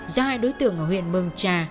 do hai đối tượng ở huyện mường trà